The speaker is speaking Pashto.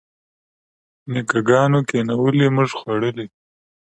نیکه ګانو کینولي موږ خوړلي.